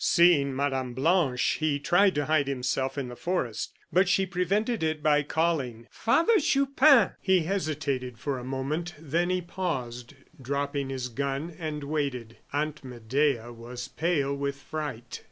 Seeing Mme. Blanche he tried to hide himself in the forest, but she prevented it by calling: "Father Chupin!" He hesitated for a moment, then he paused, dropped his gun, and waited. Aunt Medea was pale with fright.